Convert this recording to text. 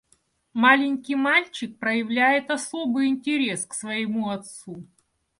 Маленький мальчик проявляет особый интерес к своему отцу.